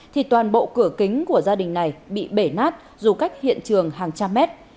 thì toàn bộ cửa kính của gia đình này bị bể nát dù cách hiện trường hàng trăm mét